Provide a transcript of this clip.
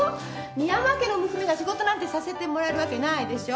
深山家の娘が仕事なんてさせてもらえるわけないでしょ。